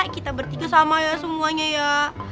kita bertiga sama ya semuanya ya